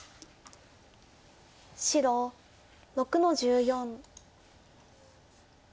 白６の十四。